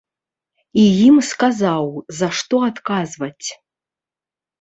І ім сказаў, за што адказваць.